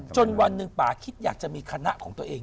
วันหนึ่งป่าคิดอยากจะมีคณะของตัวเอง